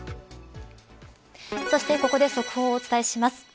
そしてここで速報をお伝えします。